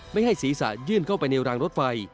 ไม่ให้ศีรษะยื่นเข้าไปในรางรถไฟ